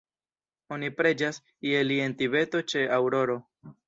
Oni preĝas je li en Tibeto ĉe aŭroro.